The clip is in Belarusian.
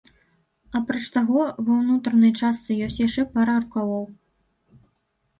Апроч таго, ва ўнутранай частцы ёсць яшчэ пара рукавоў.